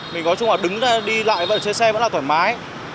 mình nói chung là đứng ra đi lại và chơi xe vẫn là thoải mái